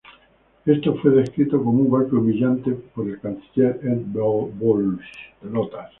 Esto fue descrito como un "golpe humillante" por el Canciller Ed Balls.